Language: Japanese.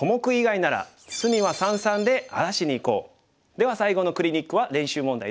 では最後のクリニックは練習問題です。